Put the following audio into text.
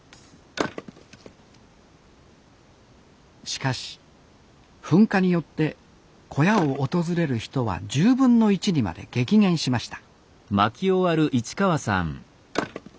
しかし噴火によって小屋を訪れる人は１０分の１にまで激減しました